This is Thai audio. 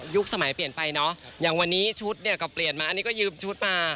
ยุคสมัยเปลี่ยนไปนะอย่างวันนี้ชุดเปลี่ยนมาต้องยืมชุดมา